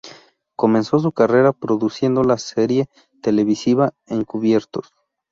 Comenzó su carrera produciendo la serie televisiva Encubiertos.